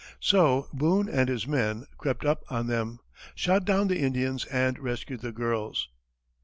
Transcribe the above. So Boone and his men crept up on them, shot down the Indians and rescued the girls.